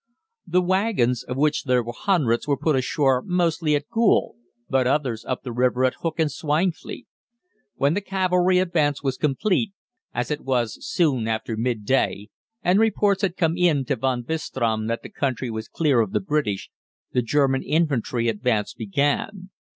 "The wagons, of which there were hundreds, were put ashore mostly at Goole, but others up the river at Hook and Swinefleet. When the cavalry advance was complete, as it was soon after midday, and when reports had come in to Von Bistram that the country was clear of the British, the German infantry advance began.